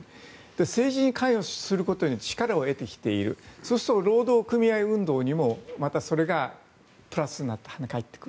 政治に関与することに力を得てきているそうすると労働組合運動にもまたそれがプラスになって跳ね返ってくる。